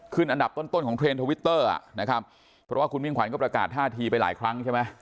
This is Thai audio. อันดับต้นต้นของเทรนดทวิตเตอร์อ่ะนะครับเพราะว่าคุณมิ่งขวัญก็ประกาศท่าทีไปหลายครั้งใช่ไหม